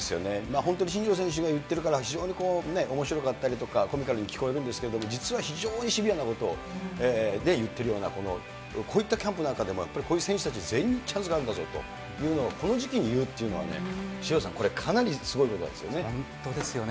本当新庄選手が言ってるから、非常におもしろかったりとか、コミカルに聞こえるんですけど、実は非常にシビアなことを言ってるような、こういったキャンプなんかでも、やっぱりこういう選手たち全員にチャンスがあるんだぞって、この時期に言うっていうのはね、渋谷さん、これかなりすごいことなんですよね。